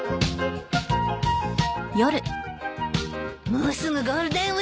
もうすぐゴールデンウィークね。